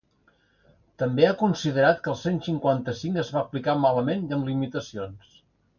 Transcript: També ha considerat que el cent cinquanta-cinc es va aplicar malament i amb limitacions.